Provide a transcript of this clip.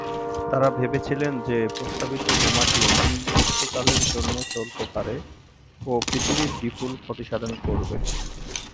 তারা ভেবেছিলেন যে প্রস্তাবিত বোমাটি অনির্দিষ্টকালের জন্য চলতে পারে ও পৃথিবীর বিপুল ক্ষতিসাধন করবে।